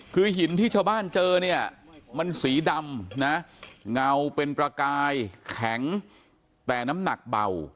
คือหินที่ชาวบ้านเจอเนี่ยมันสีดำนะเงาเป็นประกายแข็งแต่น้ำหนักเบา